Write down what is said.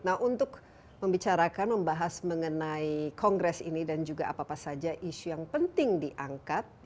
nah untuk membicarakan membahas mengenai kongres ini dan juga apa apa saja isu yang penting diangkat